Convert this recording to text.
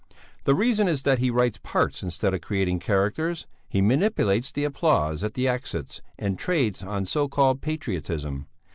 The reason is that he writes parts instead of creating characters; he manipulates the applause at the exits and trades on so called patriotism.